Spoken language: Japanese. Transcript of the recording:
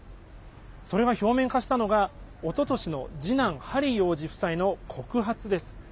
それが表面化したのがおととしの次男、ハリー王子夫妻の告発です。